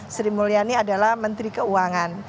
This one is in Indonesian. sri mulyani adalah menteri keuangan